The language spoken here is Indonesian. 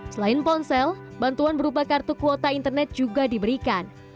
selain ponsel bantuan berupa kartu kuota internet juga diberikan